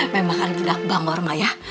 memang kan tidak bangor maya